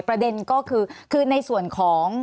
ประเด็นก็คือคือในส่วนของ